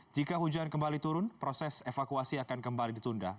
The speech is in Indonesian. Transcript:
jika hujan kembali turun proses evakuasi akan kembali ditunda